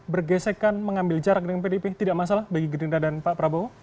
bergesekan mengambil jarak dengan pdip tidak masalah bagi gerindra dan pak prabowo